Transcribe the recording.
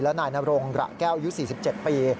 และนายนรงระแก้วอายุ๔๗ปี